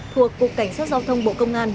thuộc cục cảnh sát giao thông bộ công an